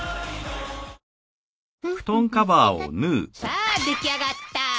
さあ出来上がった。